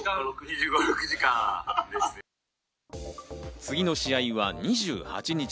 次の試合は２８日。